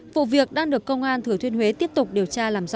vụ việc đang được công an thừa thuyên huế tiếp tục điều tra làm rõ